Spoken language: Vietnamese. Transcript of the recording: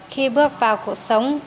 khi bước vào cuộc sống